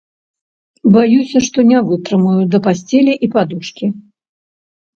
Баюся, што не вытрымаю да пасцелі і падушкі.